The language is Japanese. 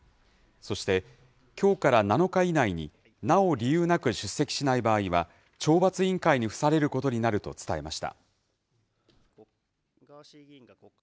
そして、きょうから７日以内になお理由なく出席しない場合は、懲罰委員会に付されることになると伝えました。